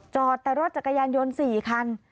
จอดแต่รถจักรยานยนต์๔คัน